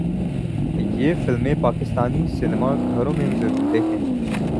یہ فلمیں پاکستانی سینما گھروں میں ضرور دیکھیں